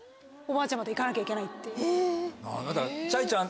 おばあちゃまと行かなきゃいけないっていう。